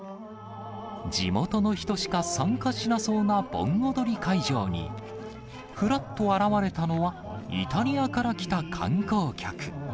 地元の人しか参加しなそうな盆踊り会場に、ふらっと現れたのは、イタリアから来た観光客。